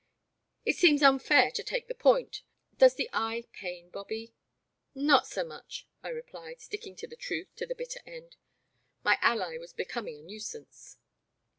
'It seems unfair to take the point ;— does the eye pain, Bobby ?"'* Not so much," I replied, sticking to the truth to the bitter end. My ally was becoming a nui sance.